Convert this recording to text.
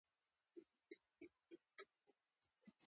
زمرد د افغانانو د معیشت سرچینه ده.